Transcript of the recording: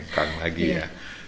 pindah lagi ya